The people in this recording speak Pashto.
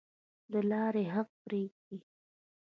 د لارې حق پریږدئ؟